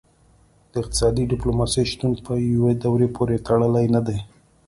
د اقتصادي ډیپلوماسي شتون په یوې دورې پورې تړلی نه دی